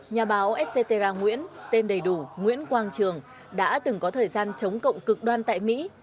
nhà báo sc terra nguyễn tên đầy đủ nguyễn quang trường đã từng có thời gian chống cộng cực đoan tại mỹ